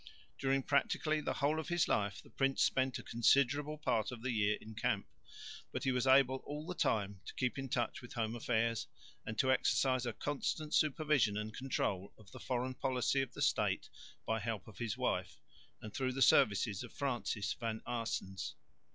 During practically the whole of his life the prince spent a considerable part of the year in camp, but he was able all the time to keep in touch with home affairs, and to exercise a constant supervision and control of the foreign policy of the State by the help of his wife, and through the services of Francis van Aerssens.